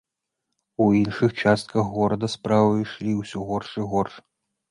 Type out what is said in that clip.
У іншых частках горада справы ішлі ўсё горш і горш.